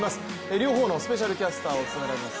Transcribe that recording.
両方のスペシャルキャスターを務めます